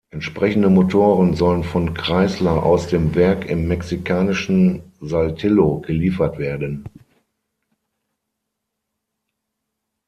Entsprechende Motoren sollen von Chrysler aus dem Werk im mexikanischen Saltillo geliefert werden.